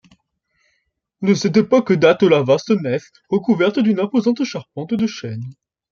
De cette époque date la vaste nef, recouverte d'une imposante charpente de chêne.